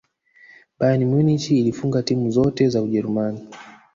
bayern munich ilifunga timu zote za ujeruman